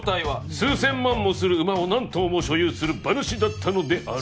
「数千万もする馬を何頭も所有する馬主だったのである」